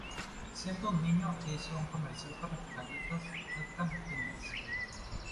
Siendo un niño, hizo un comercial para las galletas "Duncan Hines".